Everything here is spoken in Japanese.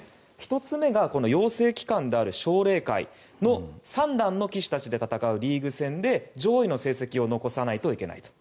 １つ目が養成機関である奨励会の三段の棋士たちで戦うリーグ戦で、上位の成績を残さないといけないと。